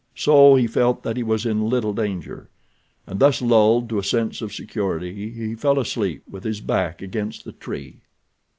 So he felt that he was in little danger, and thus lulled to a sense of security he fell asleep, with his back against the tree.